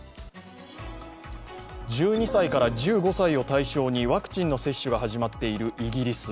１２歳から１５歳を対象のワクチンの接種が始まっているイギリス。